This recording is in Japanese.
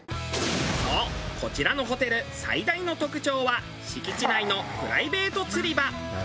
そうこちらのホテル最大の特徴は敷地内のプライベート釣り場。